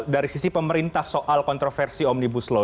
dari sisi pemerintah soal kontroversi omnibus law